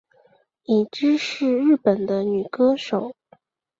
伊织是日本的女歌手。